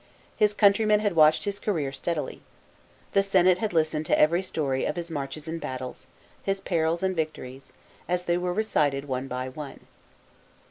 His countrymen had watched his career steadily. The Senate had listened to every story of his inarches and battles, his perils and victories, as they were recited one by one.